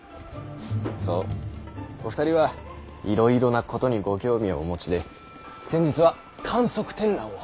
そうお二人はいろいろなことにご興味をお持ちで先日は観測天覧を。